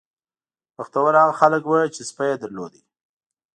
بختور هغه خلک وو چې سپی یې درلود.